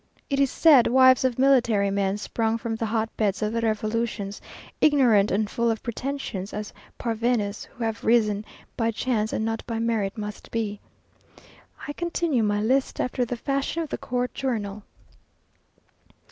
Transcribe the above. It is said, wives of military men, sprung from the hotbeds of the revolutions, ignorant and full of pretensions, as parvenus who have risen by chance and not by merit must be. I continue my list after the fashion of the Court Journal.